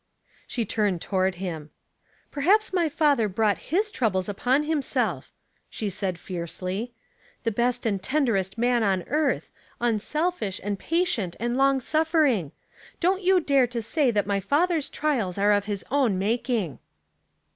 '' She turned toward him. " Perhaps my father brought his troubles upon himself," she said, fiercely. "The best and tenderest man on earth ; unselfish, and patient, and long suffering. Don't you dare to say that my father's trials are of his own making."